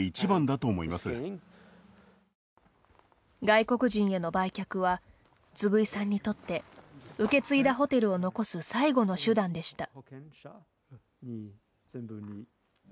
外国人への売却は次井さんにとって受け継いだホテルを残す最後の手段でした。